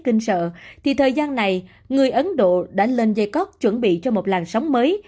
kinh sợ thì thời gian này người ấn độ đã lên dây cóc chuẩn bị cho một làn sóng mới